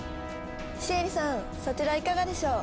シエリさんそちらいかがでしょう？